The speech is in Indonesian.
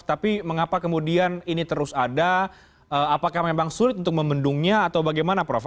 tapi mengapa kemudian ini terus ada apakah memang sulit untuk membendungnya atau bagaimana prof